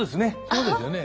そうですね。